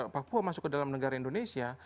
papua masuk ke dalam negara indonesia